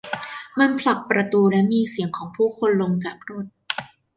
มันผลักประตู และมีเสียงของผู้คนลงจากรถ